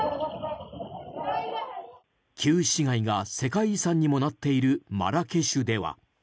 旧市街が世界遺産にもなっているマラケシュでは。